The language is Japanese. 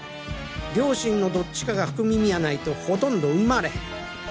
両親のどっちかが福耳やないとほとんど生まれへん。